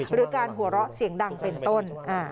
หรือการหัวเราะเสียงดังเป็นต้น